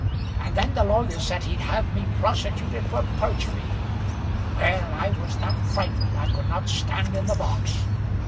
And then the lawyer said he'd have me prosecuted for perjury. Well, I was that frightened, I could not stand in the box.